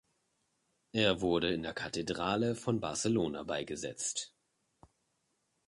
Er wurde in der Kathedrale von Barcelona beigesetzt.